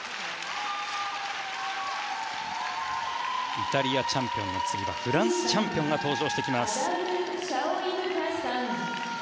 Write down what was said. イタリアチャンピオンの次はフランスチャンピオンの登場。